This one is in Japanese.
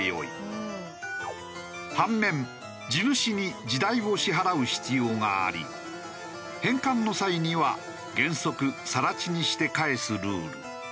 反面地主に地代を支払う必要があり返還の際には原則更地にして返すルール。